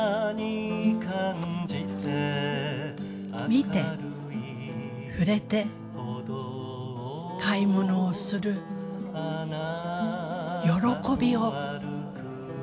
見て触れて買い物をする喜びを。